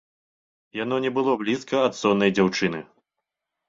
Яно не было блізка ад соннай дзяўчыны.